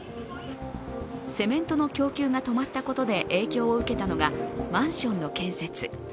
セメントの供給が止まったことで影響を受けたのがマンションの建設。